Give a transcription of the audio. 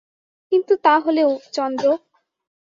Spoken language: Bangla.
কিন্তু তা হলেও– চন্দ্র।